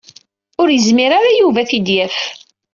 Ur yezmir ara Yuba ad t-id-yaf.